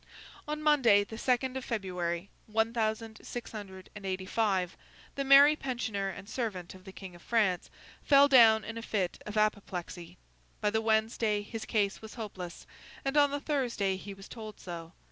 On Monday, the second of February, one thousand six hundred and eighty five, the merry pensioner and servant of the King of France fell down in a fit of apoplexy. By the Wednesday his case was hopeless, and on the Thursday he was told so.